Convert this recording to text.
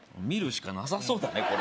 見るしかなさそうだね